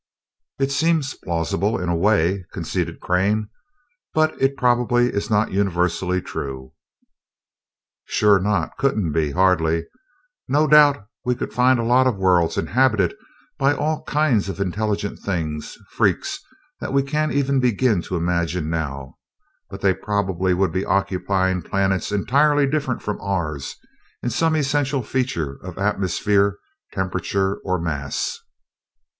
"It seems plausible, in a way," conceded Crane, "but it probably is not universally true." "Sure not couldn't be, hardly. No doubt we could find a lot of worlds inhabited by all kinds of intelligent things freaks that we can't even begin to imagine now but they probably would be occupying planets entirely different from ours in some essential feature of atmosphere, temperature, or mass."